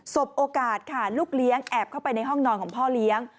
บโอกาสค่ะลูกเลี้ยงแอบเข้าไปในห้องนอนของพ่อเลี้ยง